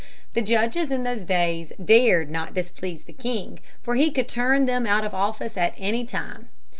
The judges in those days dared not displease the king for he could turn them out of office at any time.